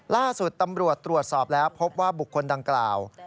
ล่าสุดตำรวจตรวจสอบแล้วพบว่าบุคคลดังกล่าว